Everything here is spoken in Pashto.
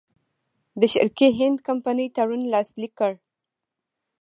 د شرق الهند کمپنۍ تړون لاسلیک کړ.